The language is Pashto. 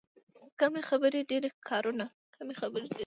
کم خبرې، ډېر کارونه.